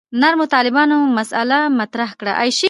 نرمو طالبانو مسأله مطرح کړه.